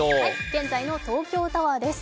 現在の東京タワーです。